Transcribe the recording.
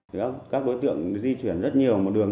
phối hợp cùng công an địa phương